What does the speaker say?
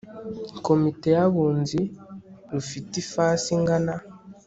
komite y abunzi rufite ifasi ingana